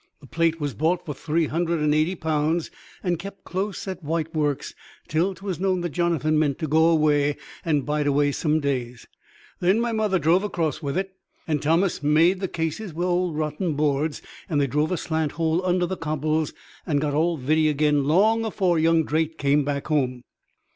The plate was bought for three hundred and eighty pound, and kept close at White Works till 'twas known that Jonathan meant to go away and bide away some days. Then my mother drove across with it; and Thomas made the cases wi' old rotten boards, and they drove a slant hole under the cobbles, and got all vitty again long afore young Drake came back home.